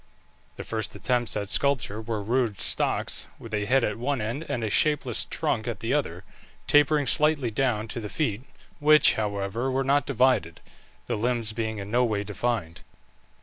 The first attempts at sculpture were rude stocks, with a head at one end and a shapeless trunk at the other, tapering slightly down to the feet, which, however, were not divided, the limbs being in no way defined.